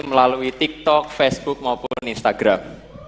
melalui tiktok facebook maupun instagram